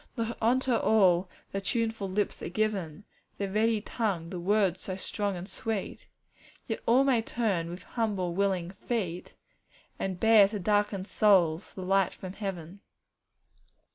'Not unto all the tuneful lips are given, The ready tongue, the words so strong and sweet; Yet all may turn, with humble, willing "feet," And bear to darkened souls the light from heaven.